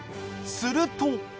すると。